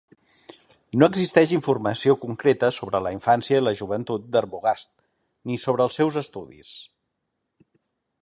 No existeix informació concreta sobre la infància i joventut d'Arbogast, ni sobre els seus estudis.